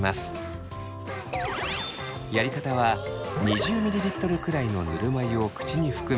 やり方は２０ｍｌくらいのぬるま湯を口に含み。